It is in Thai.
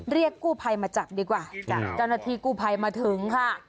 เรียกกู้ภัยมาจับดีกว่าเจ้าหน้าที่กู้ภัยมาถึงค่ะ